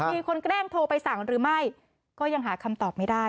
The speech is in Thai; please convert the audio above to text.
มีคนแกล้งโทรไปสั่งหรือไม่ก็ยังหาคำตอบไม่ได้